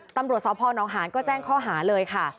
ตำรวจสพนหานก็แจ้งข้อหาเลยค่ะ